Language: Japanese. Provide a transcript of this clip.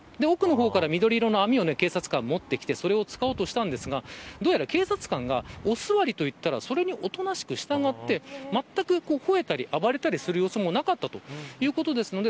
奥の方から緑色の網を警察官が持ってきてそれを使おうとしたんですがどうやら警察官がお座りと言ったらそれにおとなしく従って、ほえたり暴れたりする様子もなかったということです。